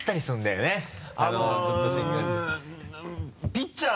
ピッチャー！